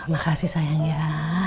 makasih sayang ya